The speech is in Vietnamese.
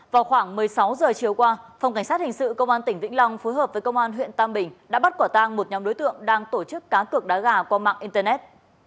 vào khoảng một mươi sáu giờ chiều qua phòng cảnh sát hình sự công an tỉnh vĩnh long phối hợp với công an huyện tam bình đã bắt quả tang một nhóm đối tượng đang tổ chức cá cược đá gà qua mạng internet